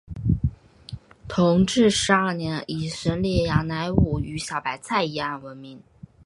同治十二年以审理杨乃武与小白菜一案闻名。